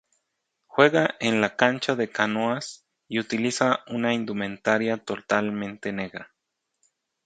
Juega en la Cancha de Canoas y utiliza una indumentaria totalmente negra.